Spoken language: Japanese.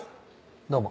どうも。